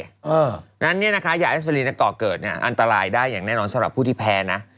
อ่าแล้วเนี้ยนะคะอันตรายได้อย่างแน่นอนสำหรับผู้ที่แพ้นะ